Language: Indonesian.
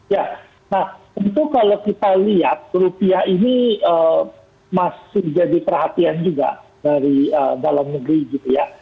ya nah tentu kalau kita lihat rupiah ini masih jadi perhatian juga dari dalam negeri gitu ya